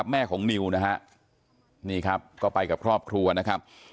แม่ของนิวนะฮะนี่ครับก็ไปกับครอบครัวนะครับ